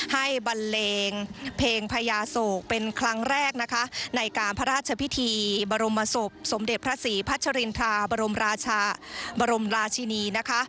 บันเลงเพลงพญาโศกเป็นครั้งแรกนะคะในการพระราชพิธีบรมศพสมเด็จพระศรีพัชรินทราบรมราชาบรมราชินีนะคะ